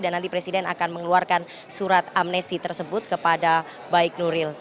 dan nanti presiden akan mengeluarkan surat amnesti tersebut kepada baik nuril